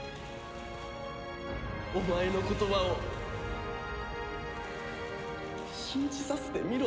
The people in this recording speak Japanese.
お前の言葉を信じさせてみろ。